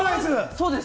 そうです。